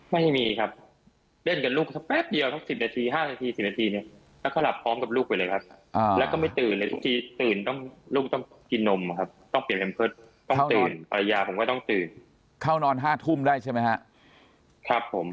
ไม่มีครับเล่นกับลูกแป๊บเดียวช่อง๑๐นาที๕นาที